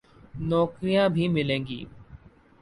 نوکریاں بھی ملیں گی۔